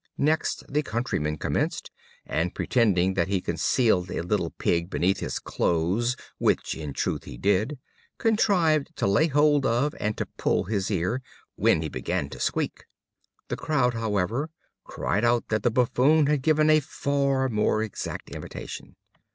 Next the Countryman commenced, and pretending that he concealed a little pig beneath his clothes (which in truth he did), contrived to lay hold of and to pull his ear, when he began to squeak. The crowd, however, cried out that the Buffoon had given a far more exact imitation.